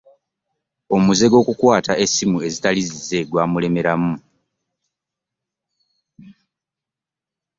omuze gw'okukwata essimu ezitali zize gwamulemeramu.